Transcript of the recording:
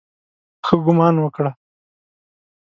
ښه ګومان وکړه.